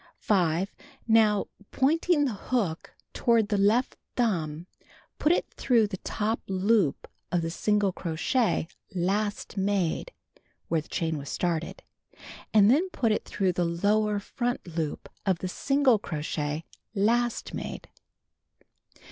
6. Now, pointing the hook toward the left thumb, put it through the top loop of the single crochet last made (where the chain was started), and then put it through the lower front loop of the single crochet last made.